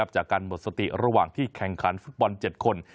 จากการหมดสติระหว่างที่แข่งขันฟุตบอล๗คน